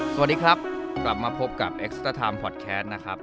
สวัสดีครับกลับมาพบกับเอ็กซ์เตอร์ไทม์พอดแคสนะครับ